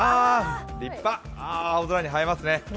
立派、青空に映えますね。